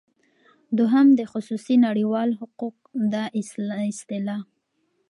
دوهم د خصوصی نړیوال حقوق دا اصطلاح